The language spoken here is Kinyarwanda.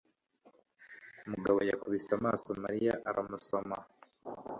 Mugabo yakubise amaso Mariya aramusoma.